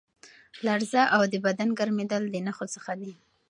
لړزه او د بدن ګرمېدل د نښو څخه دي.